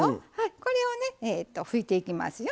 これをね拭いていきますよ。